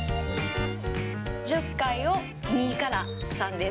１０回を２から３です。